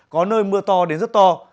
có nơi mưa to đến rất to